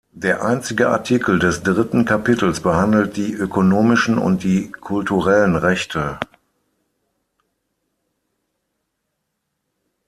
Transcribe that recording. Der einzige Artikel des dritten Kapitels behandelt die ökonomischen und die kulturellen Rechte.